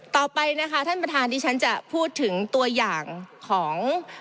ต่อไปนะคะท่านประธานที่ฉันจะพูดถึงตัวอย่างของ